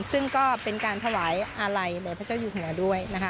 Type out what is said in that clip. ซึ่งก็เป็นการถวายอาลัยแด่พระเจ้าอยู่หัวด้วยนะคะ